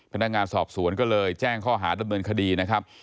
พนักงานสอบสวนก็เลยแจ้งข้อหาดำเนินคดีนะครับ